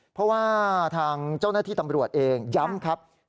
เพราะว่าทางเจ้าหน้าที่ตำรวจเองย้ำครับ